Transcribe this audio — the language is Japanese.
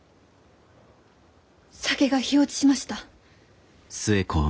酒が火落ちしました。